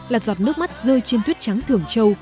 là giọt nước mắt rơi trên tuyết trắng thường châu